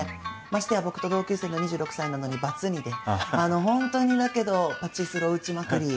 ましてや僕と同級生の２６歳なのにバツ２で本当にだけどパチスロを打ちまくり。